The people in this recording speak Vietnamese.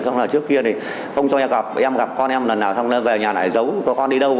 xong là trước kia thì không cho em gặp em gặp con em lần nào xong rồi về nhà lại giấu con đi đâu